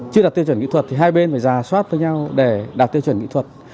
chưa đạt tiêu chuẩn kỹ thuật thì hai bên phải giả soát với nhau để đạt tiêu chuẩn kỹ thuật